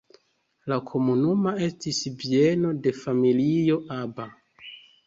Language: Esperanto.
La komunumo estis bieno de familio Aba.